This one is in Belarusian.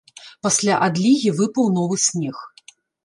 Пасля адлігі выпаў новы снег.